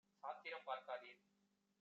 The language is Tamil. சாத்திரம் பார்க்கா தீர்!